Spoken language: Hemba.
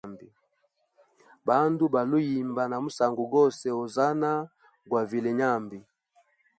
Bandu baliuyimba na musangu gose hozana gwa vilyenyambi.